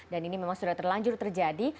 dan ini memang sudah terlanjur terjadi